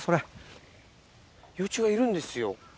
幼虫がいるんですよ。